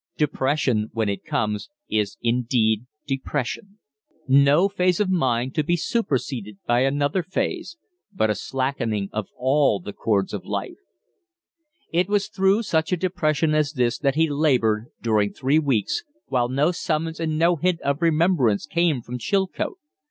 Depression, when it comes, is indeed depression; no phase of mind to be superseded by another phase, but a slackening of all the chords of life. It was through such a depression as this that he labored during three weeks, while no summons and no hint of remembrance came from Chilcote.